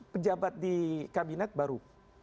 pejabat di kabinet baru